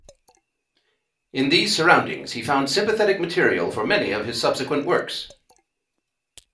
In these surroundings he found sympathetic material for many of his subsequent works.